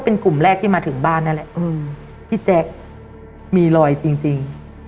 เป็นกลุ่มแรกที่มาถึงบ้านนั่นแหละอืมพี่แจ๊คมีรอยจริงจริง